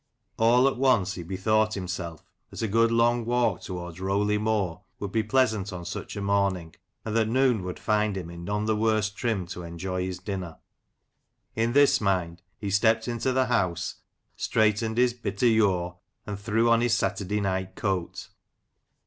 All at once he bethought himself that a good long walk towards Rowley Moor would be pleasant on such a morning, and that noon would find him in none the worse trim to enjoy his dinner. In this mind he stepped into the house, straightened his " bit o' yure," and threw on his Saturday night coat.